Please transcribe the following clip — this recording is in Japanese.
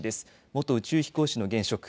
元宇宙飛行士の現職。